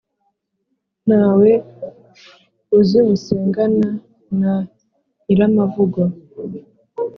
nta we uzimusengana na nyiramavugo,